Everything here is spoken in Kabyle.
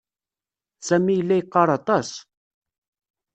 Sami yella yeqqaṛ aṭas.